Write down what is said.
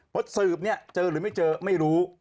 เพราะสืบเนี่ยเจอหรือไม่เจอไม่รู้